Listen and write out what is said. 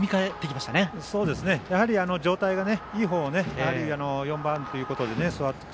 やはり状態がいい方を４番ということで。